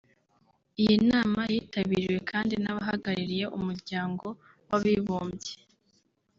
Iyi nama yitabiriwe kandi n’abahagarariye Umuryango w’Abibumbye